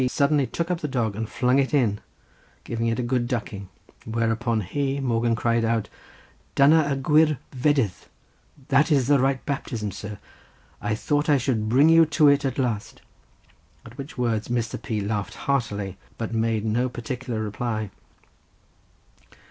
suddenly took up the dog and flung it in, giving it a good ducking, whereupon he, Morgan, cried out: "Dyna y gwir vedydd! That is the right baptism, sir! I thought I should bring you to it at last!" at which words Mr. P. laughed heartily, but made no particular reply.